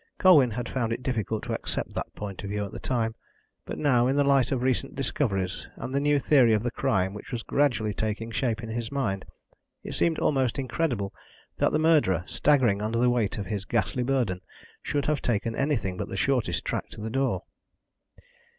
Colwyn had found it difficult to accept that point of view at the time, but now, in the light of recent discoveries, and the new theory of the crime which was gradually taking shape in his mind, it seemed almost incredible that the murderer, staggering under the weight of his ghastly burden, should have taken anything but the shortest track to the door.